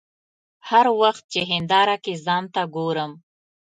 هر وخت چې هنداره کې ځان ته ګورم.